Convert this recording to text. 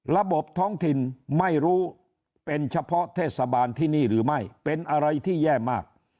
ระบบท้องถิ่นไม่รู้เป็นเฉพาะเทศบาลที่นี่หรือไม่เป็นอะไรที่แย่มาก